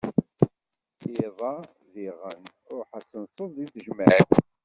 Iḍ-a diɣen, ruḥ ad tenseḍ deg tejmeɛt.